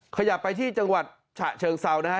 ขยับไปที่จังหวัดฉะเชิงเซานะฮะ